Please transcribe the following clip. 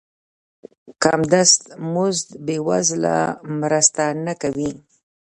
کم دست مزد بې وزلو مرسته نه کوي.